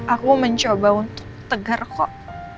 aku mencoba untuk tegar kok